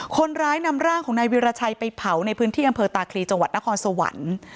คนร้ายนำร่างของนายวิราชัยไปเผาในพื้นที่อำเภอตาคลีจังหวัดนครสวรรค์